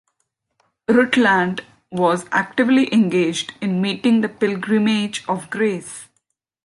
Rutland was actively engaged in meeting the Pilgrimage of Grace.